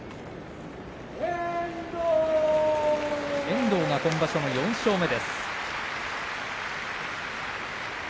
遠藤が今場所４勝目です。